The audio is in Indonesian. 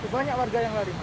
banyak warga yang lari